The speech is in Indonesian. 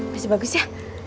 masih bagus ya